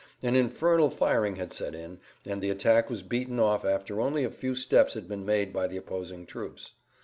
An infernal firing had set in, and the attack was beaten off after only a few steps had been made by the opposing troops.